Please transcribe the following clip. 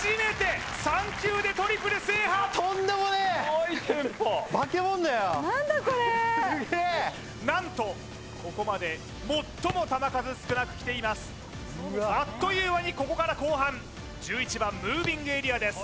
うおヤバいぞここまですごいテンポ何とここまで最も球数少なくきていますあっという間にここから後半１１番ムービングエリアです